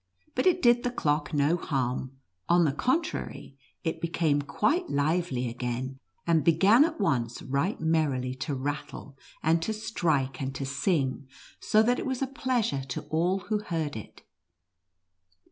But it did the clock no harm ; on the contrary, it became quite lively again, and began at once right merrily to rattle, and to strike, and to sing, so that it was a pleasure to all who heard it.